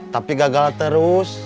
tapi gagal terus